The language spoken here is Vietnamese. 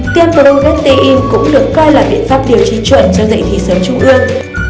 tiêm progestin cũng được coi là biện pháp điều trị chuẩn cho dạy thi sớm trung ương